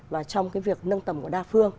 và trong việc nâng tầm của đa phương